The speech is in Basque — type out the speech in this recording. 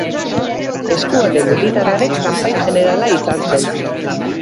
Eskualde Militarraren kapitain-jenerala izan zen.